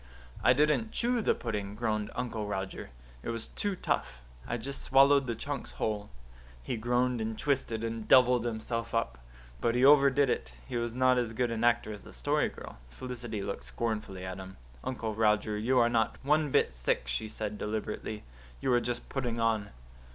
"I didn't chew the pudding," groaned Uncle Roger. "It was too tough I just swallowed the chunks whole." He groaned and twisted and doubled himself up. But he overdid it. He was not as good an actor as the Story Girl. Felicity looked scornfully at him. "Uncle Roger, you are not one bit sick," she said deliberately. "You are just putting on."